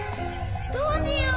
どうしよう。